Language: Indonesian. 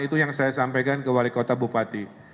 itu yang saya sampaikan ke wali kota bupati